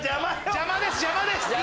邪魔です邪魔です！